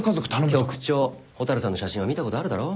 局長蛍さんの写真は見たことあるだろ。